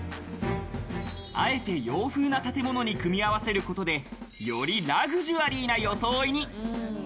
あえて洋風な建物に組み合わせることで、よりラグジュアリーな装いに。